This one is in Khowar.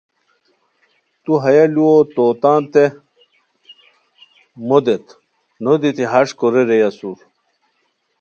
تو ہیہ لوؤ تو تانتے مو دیت، نو دیتی ہݰ کورے رے اسور